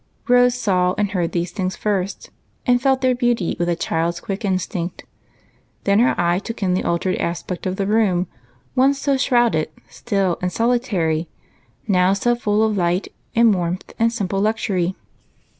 Rose saw and heard these things first, and felt their beauty with a child's quick instinct ; then her eye took in the altered aspect of the room, once so shrouded, still and solitary, now so full of light and warmth and simple luxury.